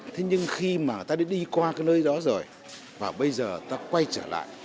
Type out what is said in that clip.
thế nhưng khi mà ta đã đi qua cái nơi đó rồi và bây giờ ta quay trở lại